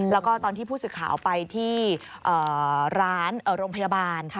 แล้วก็ตอนที่ผู้สื่อข่าวไปที่ร้านโรงพยาบาล